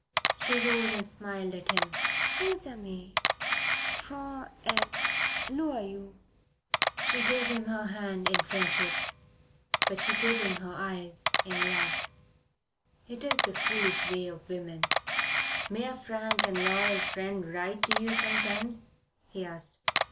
She rose and smiled at him. "Bons amis, francs et loyaux?" "Francs et loyaux." She gave him her hand in friendship; but she gave him her eyes in love. It is the foolish way of women. "May a frank and loyal friend write to you sometimes?" he asked.